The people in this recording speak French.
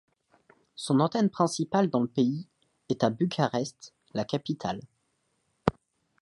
Son antenne principale dans le pays est à Bucarest, la capitale.